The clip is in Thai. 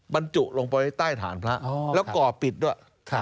บรรจุลงไปใต้ฐานพระแล้วก่อปิดด้วย